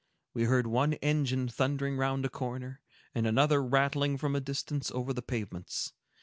We heard one engine thundering round a corner, and another rattling from a distance over the pavements.